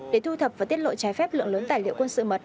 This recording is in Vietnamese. để thu thập và tiết lội trái phép lượng lớn tài liệu quân sự mật